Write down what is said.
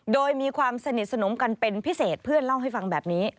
โดยมีความสนิทสนมกันเป็นพิเศษเพื่อนเล่าให้ฟังแบบนี้